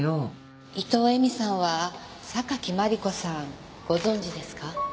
伊藤絵美さんは榊マリコさんご存じですか？